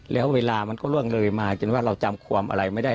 แล้วเวลามันก็ล่วงเลยมาจนว่าเราจำความอะไรไม่ได้